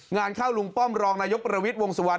งานเข้าลุงป้อมรองนายกประวิทย์วงสุวรร